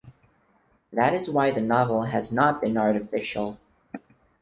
That is why the novel has not been artificial.